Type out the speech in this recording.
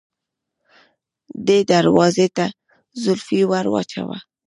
دې دروازې ته زولفی ور واچوه.